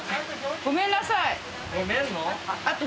ごめんなさいあと。